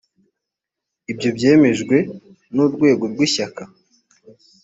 ibyo byemejwe n’urwego rw’ishyaka